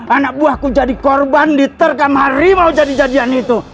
anak buahku jadi korban ditergam harimau jadi jadian itu